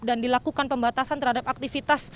dan dilakukan pembatasan terhadap aktivitas